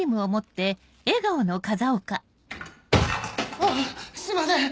あっすいません！